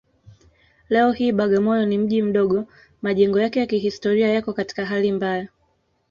Leo hii Bagamoyo ni mji mdogo Majengo yake ya kihistoria yako katika hali mbaya